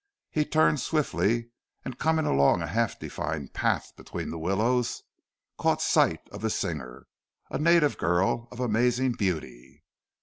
He turned swiftly, and coming along a half defined path between the willows, caught sight of the singer a native girl of amazing beauty.